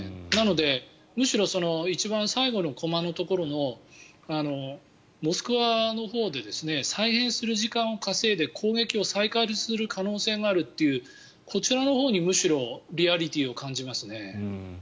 なのでむしろ一番最後のコマのところのモスクワのほうで再編する時間を稼いで攻撃を再開する可能性があるというこちらのほうにむしろリアリティーを感じますね。